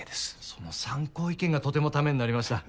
その参考意見がとてもためになりました。